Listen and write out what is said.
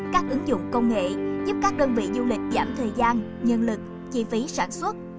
các ứng dụng công nghệ giúp các đơn vị du lịch giảm thời gian nhân lực chi phí sản xuất